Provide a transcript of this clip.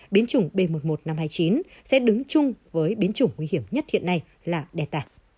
biến chủng b một một năm trăm hai mươi chín sẽ đứng chung với biến chủng nguy hiểm nhất hiện nay là delta